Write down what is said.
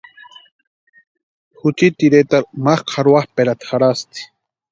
Juchiti iretarhu mákʼu jarhoapʼerata jarhasti.